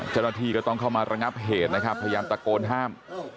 เจ้าหน้าที่ก็ต้องเข้ามาระงับเหตุนะครับพยายามตะโกนห้าม